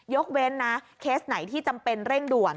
ยกเว้นนะเคสไหนที่จำเป็นเร่งด่วน